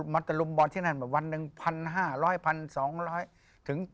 มันแต่ลุมบอลที่นั่นวันนึง๑๕๐๐